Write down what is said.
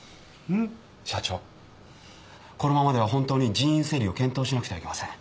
このままでは本当に人員整理を検討しなくてはいけません。